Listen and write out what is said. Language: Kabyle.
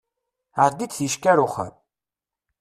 Ɛeddi-d ticki ar uxxam!